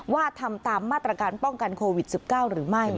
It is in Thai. ว่าทำตามมาตรการป้องกันโควิด๑๙หรือไม่